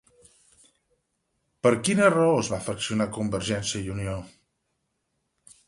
Per quina raó es va fraccionar Convergència i Unió?